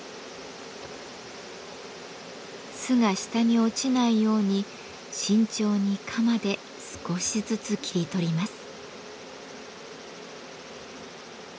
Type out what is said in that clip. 巣が下に落ちないように慎重に鎌で少しずつ切り取ります。